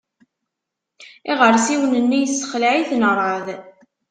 Iɣersiwen-nni yessexleε-iten rrεeḍ.